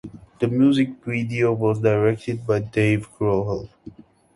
The music video was directed by Dave Grohl.